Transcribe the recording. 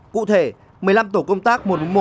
cụ thể một mươi năm tổ công tác một trăm bốn mươi một